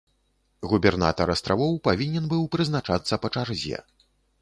Губернатар астравоў павінен быў прызначацца па чарзе.